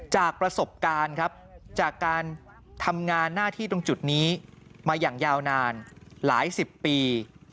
จากประสบการณ์ครับจากการทำงานหน้าที่ตรงจุดนี้มาอย่างยาวนานหลายสิบปี